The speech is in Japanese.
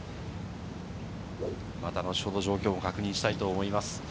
後ほど状況を確認したいと思います。